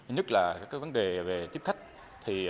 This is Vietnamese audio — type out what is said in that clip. nhất là các vấn đề về tiếp khách